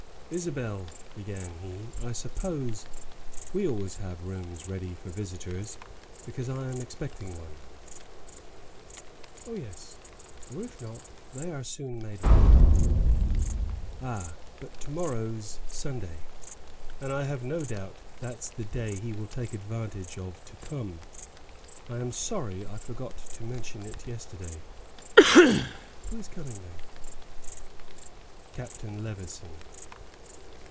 "Isabel," began he, "I suppose we have always rooms ready for visitors, because I am expecting one." "Oh, yes; or if not, they are soon made ready." "Ah, but to morrow's Sunday, and I have no doubt that's the day he will take advantage of to come. I am sorry I forgot to mention it yesterday." "Who is coming, then?" "Captain Levison."